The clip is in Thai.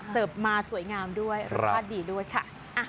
มาสวยงามด้วยรสชาติดีด้วยค่ะ